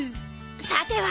さては。